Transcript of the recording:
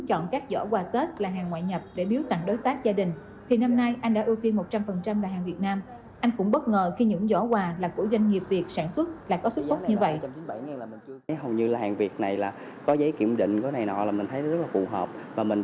chọn các giỏ quà tết là hàng ngoại nhập để biếu tặng đối tác gia đình